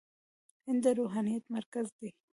هند د روحانيت مرکز دی.